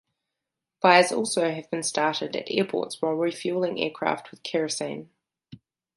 Fires have also been started at airports while refueling aircraft with kerosene.